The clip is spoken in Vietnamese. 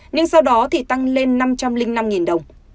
nhưng sau đó thì tăng lên năm trăm linh năm đồng